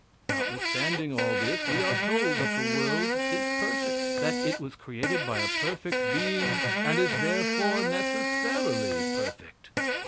Notwithstanding all this, we are told that the world is perfect; that it was created by a perfect being, and is therefore necessarily perfect.